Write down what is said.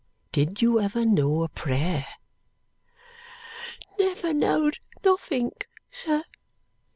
Did you ever know a prayer?" "Never knowd nothink, sir."